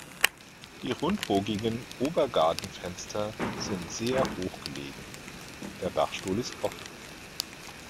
Die rundbogigen Obergadenfenster sind sehr hoch gelegen, der Dachstuhl ist offen.